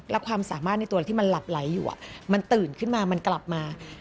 แล้วความสามารถในตัวที่มันหลับไหลอยู่มันตื่นขึ้นมามันกลับมา